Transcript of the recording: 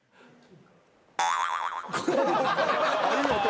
いい音。